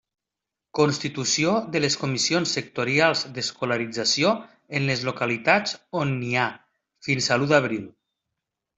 Constitució de les comissions sectorials d'escolarització en les localitats on n'hi ha: fins a l'u d'abril.